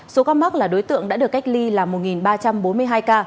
số ca mắc là đối tượng đã được cách ly là một ba trăm bốn mươi hai ca